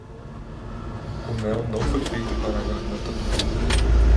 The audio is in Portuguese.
O mel não foi feito para a garganta do burro.